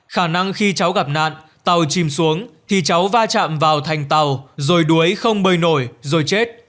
khả năng khi cháu gặp nạn tàu chìm xuống thì cháu va chạm vào thành tàu rồi đuối không bơi nổi rồi chết